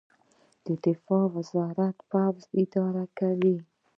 دفاع وزارت پوځ اداره کوي